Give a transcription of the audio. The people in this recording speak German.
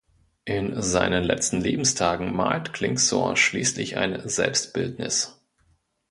In seinen letzten Lebenstagen malt Klingsor schließlich ein Selbstbildnis.